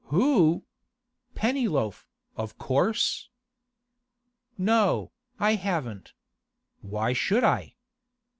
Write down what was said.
'Who? Pennyloaf, of course.' 'No, I haven't. Why should I?